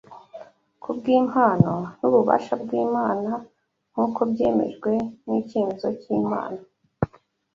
kubw’impano n’ububasha bw’Imana nk’uko byemejwe n’icyemezo cy’Imana